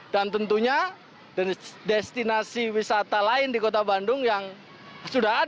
tentunya destinasi wisata lain di kota bandung yang sudah ada